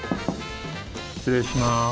失礼します。